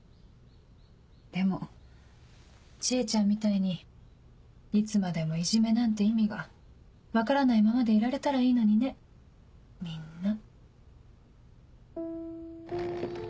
でも知恵ちゃんみたいにいつまでもいじめなんて意味が分からないままでいられたらいいのにねみんな。